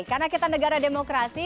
karena kita negara demokrasi